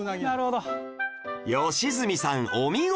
良純さんお見事！